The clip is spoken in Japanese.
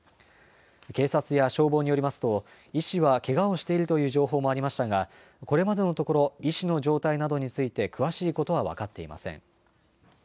警察や消防によりますと、医師はけがをしているという情報もありましたが、これまでのところ、医師の状態などについて詳しいことは分かっていません。